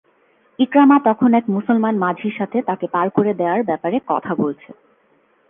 ইকরামা তখন এক মুসলমান মাঝির সাথে তাকে পার করে দেয়ার ব্যাপারে কথা বলছে।